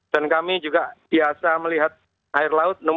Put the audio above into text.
dan kami juga biasa melihat air laut